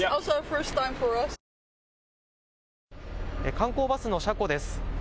観光バスの車庫です。